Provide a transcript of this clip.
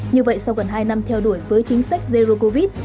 như vậy sau gần hai năm theo đuổi với chính sách zero covid